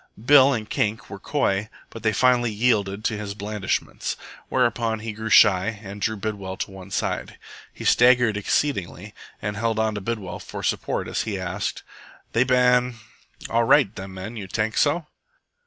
Bill and Kink were coy, but they finally yielded to his blandishments. Whereupon he grew shy and drew Bidwell to one side. He staggered exceedingly, and held on to Bidwell for support as he asked "They ban all right, them men, you tank so?"